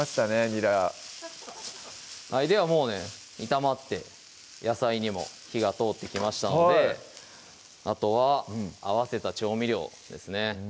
にらではもうね炒まって野菜にも火が通ってきましたのであとは合わせた調味料ですね